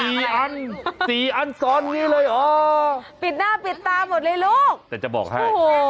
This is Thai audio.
อันสี่อันซ้อนนี้เลยอ๋อปิดหน้าปิดตาหมดเลยลูกแต่จะบอกให้โอ้โห